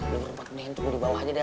lu berpakaian tunggu di bawah aja dah